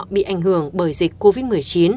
bị ảnh hưởng bởi dịch covid một mươi chín